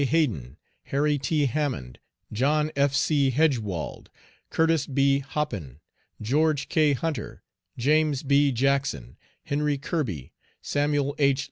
Haden, Harry T. Hammond, John F. C. Hegewald, Curtis B. Hoppin, George K. Hunter, James B. Jackson, Henry Kirby, Samuel H.